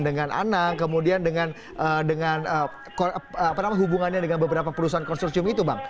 dengan anang kemudian dengan hubungannya dengan beberapa perusahaan konsorsium itu bang